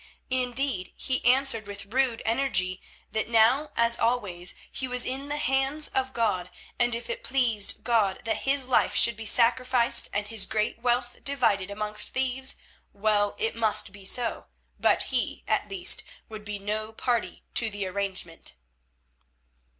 Indeed, he answered with rude energy that now as always he was in the hands of God, and if it pleased God that his life should be sacrificed and his great wealth divided amongst thieves, well, it must be so, but he, at least, would be no party to the arrangement.